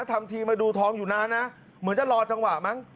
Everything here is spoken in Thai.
ทำทีมาดูทองอยู่นานนะเหมือนจะรอจังหวะมั้ง